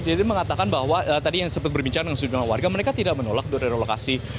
dia mengatakan bahwa tadi yang sempat berbincang dengan sejumlah warga mereka tidak menolak untuk relokasi